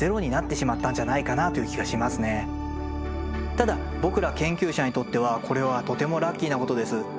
ただ僕ら研究者にとってはこれはとてもラッキーなことです。